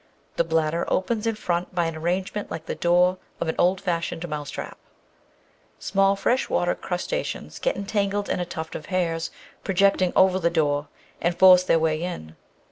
The bladder opens in front by an arrangement like the door of an old fashioned mouse trap. Small freshwater crustaceans get entangled in a tuft of hairs projecting over the door, and force their way in.